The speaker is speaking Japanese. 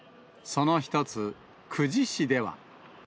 その一つ、久慈市では。